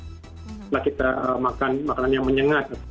setelah kita makan makanan yang menyengat